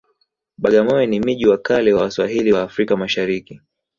bagamoyo ni miji wa kale wa waswahili wa africa mashariki